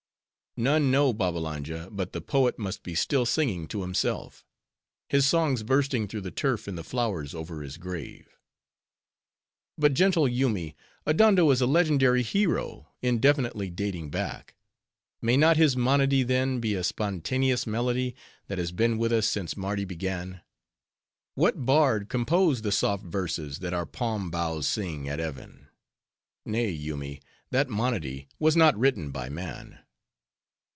"None know, Babbalanja but the poet must be still singing to himself; his songs bursting through the turf in the flowers over his grave." "But gentle Yoomy, Adondo is a legendary hero, indefinitely dating back. May not his monody, then, be a spontaneous melody, that has been with us since Mardi began? What bard composed the soft verses that our palm boughs sing at even? Nay, Yoomy, that monody was not written by man."